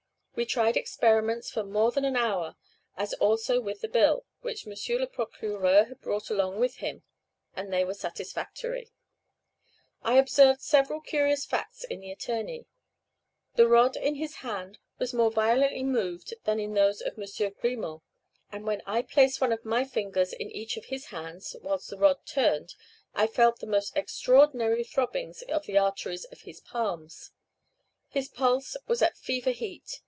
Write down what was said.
We tried experiments for more than an hour, as also with the bill, which M. le Procureur had brought along with him, and they were satisfactory. I observed several curious facts in the attorney. The rod in his hands was more violently moved than in those of M. Grimaut, and when I placed one of my fingers in each of his hands, whilst the rod turned, I felt the most extraordinary throbbings of the arteries in his palms. His pulse was at fever heat.